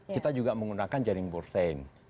kita juga menggunakan jaring borsain